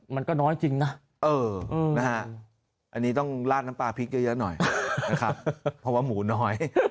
มันก็น้อยจริงนะอันนี้ต้องลาดน้ำปลาพริกเยอะหน่อยนะครับเพราะว่าหมูน้อย